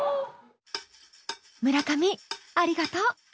村上ありがとう。